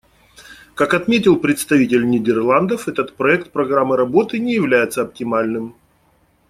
Как отметил представитель Нидерландов, этот проект программы работы не является оптимальным.